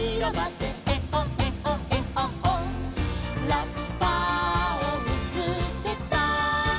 「ラッパをみつけたよ」